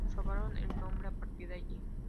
Nos robaron el nombre a partir de ahí".